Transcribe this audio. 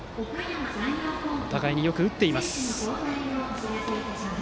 互いによく打っています。